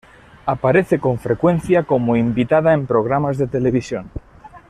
Aparece con frecuencia como invitada en programas de televisión.